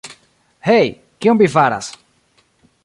Hej, kion vi faras?